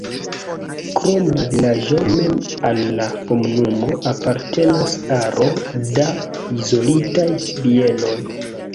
Krom la vilaĝo mem al la komunumo apartenas aro da izolitaj bienoj.